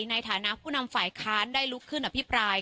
ในฐานะผู้นำฝ่ายค้านได้ลุกขึ้นอภิปราย